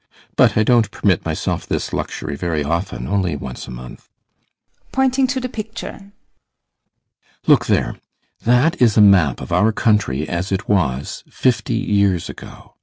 But I don't permit myself this luxury very often, only once a month. [Pointing to the picture] Look there! That is a map of our country as it was fifty years ago.